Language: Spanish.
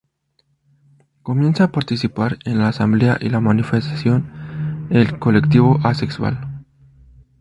Comienza a participar en la asamblea y la manifestación el colectivo asexual.